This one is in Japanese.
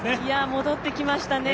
戻ってきましたね